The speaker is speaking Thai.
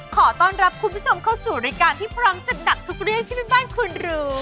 ขอต้อนรับคุณผู้ชมเข้าสู่รายการที่พร้อมจัดหนักทุกเรื่องที่แม่บ้านควรรู้